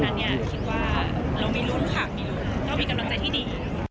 เพราะฉะนั้นเรามีรุ่นความค่าบีก็มีกำลังใจที่ดี